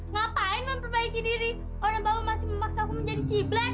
ngapain memperbaiki diri orang bau masih memaksaku menjadi si black